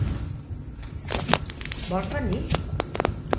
Vols venir?